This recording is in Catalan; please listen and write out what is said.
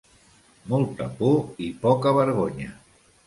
Molta por i poca vergonya.